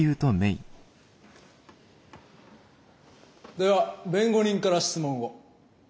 では弁護人から質問を。